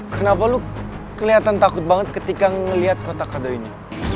kenapa lo keliatan takut banget ketika ngeliat kota kado ini